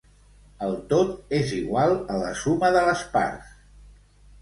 El tot és igual a la suma de les parts.